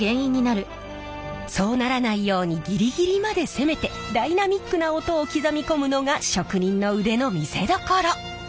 そうならないようにギリギリまで攻めてダイナミックな音を刻み込むのが職人の腕の見せどころ。